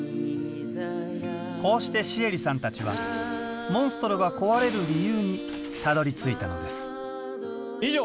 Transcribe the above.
こうしてシエリさんたちはモンストロが壊れる理由にたどりついたのです以上